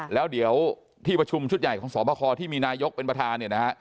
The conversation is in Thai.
แล้วเดี๋ยวที่ประชุมชุดใหญ่ของสอบคอที่มีนายกเป็นประธานเนี่ยนะฮะ